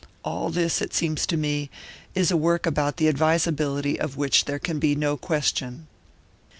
All this, it seems to me, is a work about the advisability of which there can be no question."